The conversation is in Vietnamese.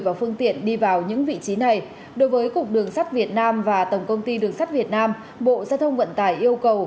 và phương tiện đi vào những vị trí này đối với cục đường sắt việt nam và tổng công ty đường sắt việt nam bộ giao thông vận tải yêu cầu